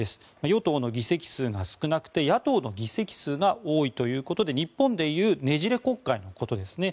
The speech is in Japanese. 与党の議席数が少なくて野党の議席数が多いということで日本で言うねじれ国会のことですね。